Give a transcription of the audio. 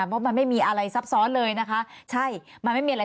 เพราะมันไม่มีอะไรซับซ้อนเลยนะคะใช่มันไม่มีอะไร